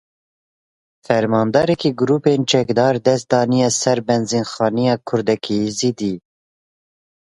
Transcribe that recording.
Fermanderekî grûpên çekdar dest daniye ser benzînxaneya Kurdekî Êzidî.